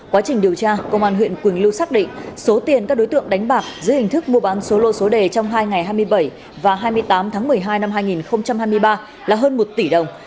quá trình điều tra công an huyện quỳnh lưu xác định số tiền các đối tượng đánh bạc dưới hình thức mua bán số lô số đề trong hai ngày hai mươi bảy và hai mươi tám tháng một mươi hai năm hai nghìn hai mươi ba là hơn một tỷ đồng